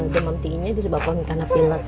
demam tiinya disebabkan karena pilot